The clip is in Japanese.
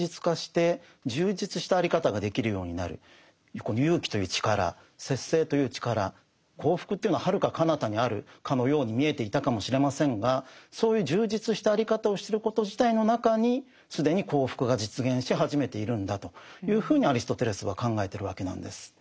そうですね幸福というのははるかかなたにあるかのように見えていたかもしれませんがそういう充実したあり方をしてること自体の中に既に幸福が実現し始めているんだというふうにアリストテレスは考えてるわけなんです。